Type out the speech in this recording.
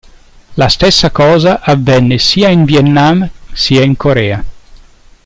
La stessa cosa avvenne sia in Vietnam sia in Corea.